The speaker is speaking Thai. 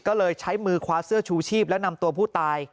ก็เลยใช้มือคว้าเสื้อชูชีพแล้วนำตัวผู้ตาย